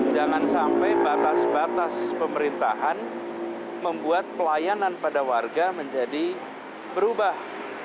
jangan sampai batas batas pemerintahan membuat pelayanan pada warga menjadi berubah